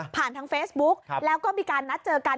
ทางเฟซบุ๊กแล้วก็มีการนัดเจอกัน